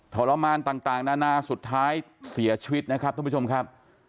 ทรมานต่างนานาสุดท้ายเสียชีวิตนะครับทุกผู้ชมครับ